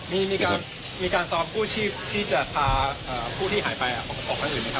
มีการซ้อมกู้ชีพที่จะพาผู้ที่หายไปมาออกทางอื่นไหมครับ